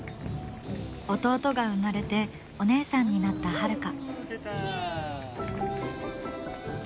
弟が生まれてお姉さんになったハルカ。